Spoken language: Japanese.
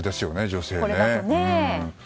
女性のね。